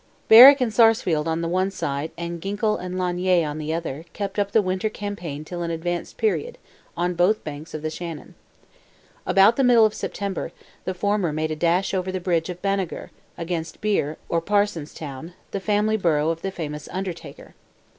Berwick and Sarsfield on the one side and Ginkle and Lanier on the other, kept up the winter campaign till an advanced period, on both banks of the Shannon. About the middle of September, the former made a dash over the bridge of Banagher, against Birr, or Parsonstown, the family borough of the famous Undertaker.